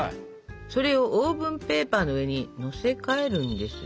それをオーブンペーパーの上に載せ替えるんですよ。